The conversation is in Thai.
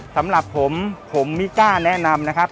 สำหรับผมผมไม่กล้าแนะนำนะครับ